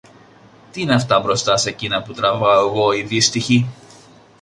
Τι είναι αυτά μπροστά σε κείνα που τραβώ εγώ, η δύστυχη!